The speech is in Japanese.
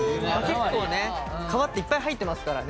結構ね皮っていっぱい入ってますからね。